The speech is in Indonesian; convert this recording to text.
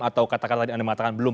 atau kata kata yang anda katakan